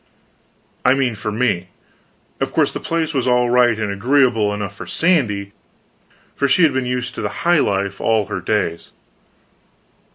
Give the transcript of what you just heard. I mean, for me: of course the place was all right and agreeable enough for Sandy, for she had been used to high life all her days.